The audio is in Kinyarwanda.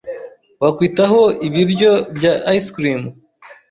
Wakwitaho ibiryo bya ice cream?